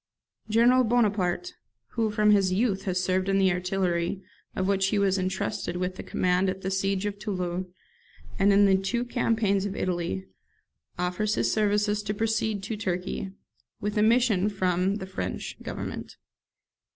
General Bonaparte, who, from his youth, has served in the artillery, of which he was entrusted with the command at the siege of Toulon, and in the two campaigns of Italy, offers his services to proceed to Turkey, with a mission from the (French) Government.